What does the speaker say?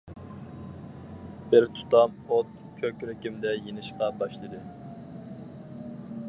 بىر تۇتام ئوت كۆكرىكىمدە يېنىشقا باشلىدى.